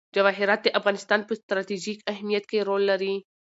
جواهرات د افغانستان په ستراتیژیک اهمیت کې رول لري.